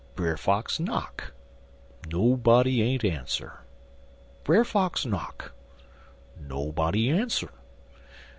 Brer Fox knock. Nobody ain't ans'er. Brer Fox knock. Nobody ans'er.